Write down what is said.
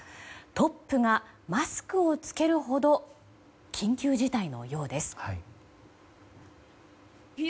トップがマスクを着けるほど緊急事態のようです。